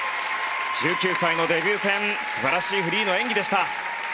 １９歳のデビュー戦素晴らしいフリーの演技でした。